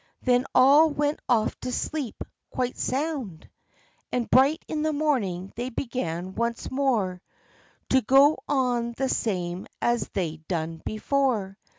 Then all went off to sleep quite sound; And, bright in the morning, they began once more To go on the same as they'd done before.